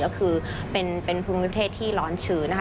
ก็คือเป็นภูมิประเทศที่ร้อนชื้นนะคะ